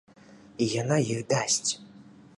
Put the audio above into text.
І яна іх дасць.